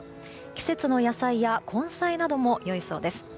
季節の野菜や根菜なども良いそうです。